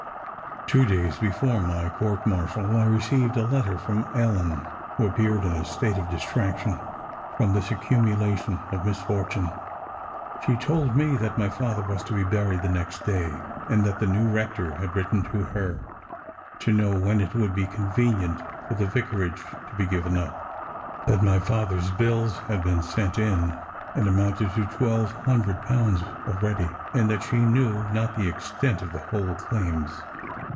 Two days before my court martial, I received a letter from Ellen, who appeared in a state of distraction from this accumulation of misfortune. She told me that my father was to be buried the next day, and that the new rector had written to her, to know when it would be convenient for the vicarage to be given up. That my father's bills had been sent in, and amounted to twelve hundred pounds already; and that she knew not the extent of the whole claims.